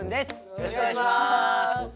よろしくお願いします。